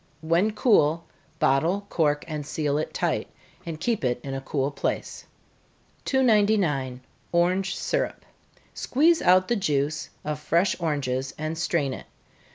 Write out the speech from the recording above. When cool, bottle, cork, and seal it tight, and keep it in a cool place. 299. Orange Syrup. Squeeze out the juice of fresh oranges, and strain it.